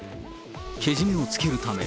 けじめをつけるため。